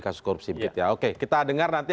kasus korupsi oke kita dengar nanti